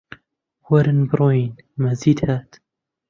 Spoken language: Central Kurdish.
وەرن بڕۆین! مەجید هات